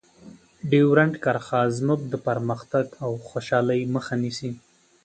ډیورنډ کرښه زموږ د پرمختګ او خوشحالۍ مخه نیسي.